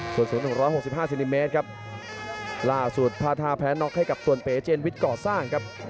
ส่วนสูง๑๖๕เซนติเมตรครับล่าสุดพาทาแพ้น็อกให้กับส่วนเป๋เจนวิทย์ก่อสร้างครับ